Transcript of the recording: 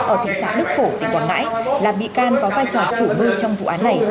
ở thị xã đức phổ thì còn nãy là bị can có vai trò chủ mưu trong vụ án này